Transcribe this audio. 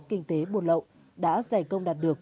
kinh tế buôn lậu đã giải công đạt được